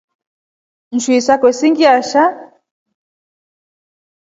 Nshui sakwe sii ngiasha.